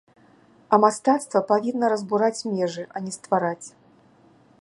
А мастацтва павінна разбураць межы, а не ствараць.